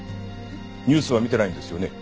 ニュースは見てないんですよね？